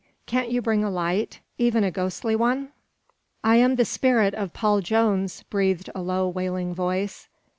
Can't you bring a light even a ghostly one?" "I am the spirit of Paul Jones," breathed a low, wailing voice.